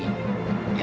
ya nggak penting juga